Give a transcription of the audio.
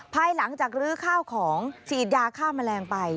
ภายหลังจากลื้อข้าวของฉีดยาฆ่าแมลงไป